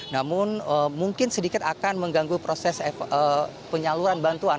namun mungkin sedikit akan mengganggu proses penyaluran bantuan